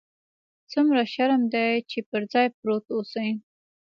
څومره شرم دى چې پر ځاى پروت اوسې.